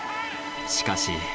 しかし。